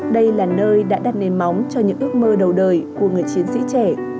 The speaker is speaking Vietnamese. đây là nơi đã đặt nền móng cho những ước mơ đầu đời của người chiến sĩ trẻ